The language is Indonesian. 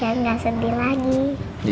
jangan gak sedih lagi